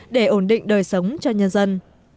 để ổn định đời sống cho nhân dân